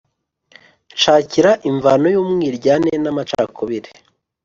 nshakira imvano y'umwiryane n'amacakubiri